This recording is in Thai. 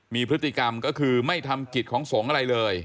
มีพฤติกรรมก็คือไม่ทำกิจของสงฆ์อะไรเลย